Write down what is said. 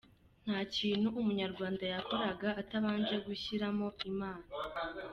Nta kintu umunyarwanda yakoraga atabanje gushyiramo Imana.